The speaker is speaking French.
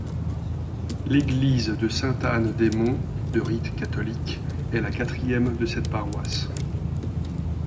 L'église de Sainte-Anne-des-Monts, de rite catholique, est la quatrième de cette paroisse.